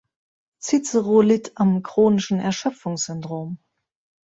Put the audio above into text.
Cicero litt am chronischen Erschöpfungssyndrom.